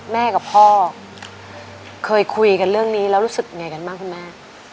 แม่กับพ่อเคยคุยกันเรื่องนี้แล้วรู้สึกยังไงกันบ้างคุณแม่